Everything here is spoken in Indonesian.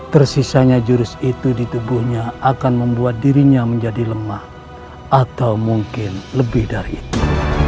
tersisanya jurus itu di tubuhnya akan membuat dirinya menjadi lemah atau mungkin lebih dari itu